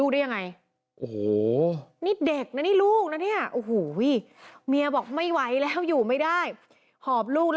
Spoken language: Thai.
ดีใจไหม